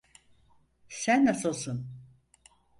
Sen nasıIsın?